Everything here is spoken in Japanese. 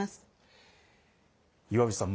岩淵さん